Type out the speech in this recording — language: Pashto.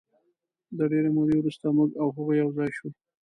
د ډېرې مودې وروسته موږ او هغوی یو ځای شوو.